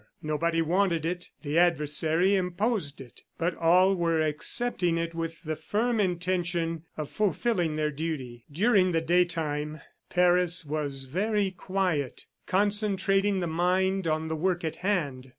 Nobody wanted it; the adversary imposed it. ... But all were accepting it with the firm intention of fulfilling their duty. During the daytime Paris was very quiet, concentrating the mind on the work in hand.